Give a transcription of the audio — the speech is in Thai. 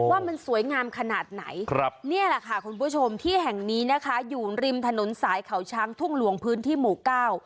ว่ามันสวยงามขนาดไหนนี่แห่งนี้นะคะอยู่ริมถนนสายเขาช้างทุ่งหลวงพื้นที่หมู่เก้า